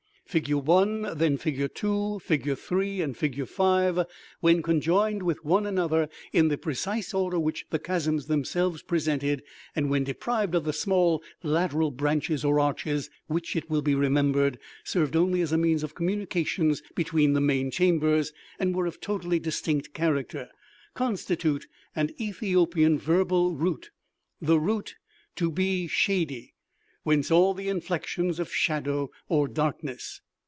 Figure 1, then, figure 2, figure 3, and figure 5, when conjoined with one another in the precise order which the chasms themselves presented, and when deprived of the small lateral branches or arches (which, it will be remembered, served only as a means of communication between the main chambers, and were of totally distinct character), constitute an Ethiopian verbal root—the root "To be shady,'—whence all the inflections of shadow or darkness.